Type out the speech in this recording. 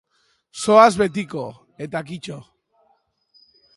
Zoaz betiko, eta kito.